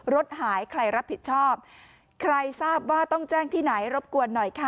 รถหายใครรับผิดชอบใครทราบว่าต้องแจ้งที่ไหนรบกวนหน่อยค่ะ